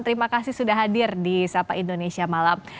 terima kasih sudah hadir di sapa indonesia malam